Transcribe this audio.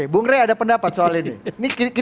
bung rey ada pendapat soal ini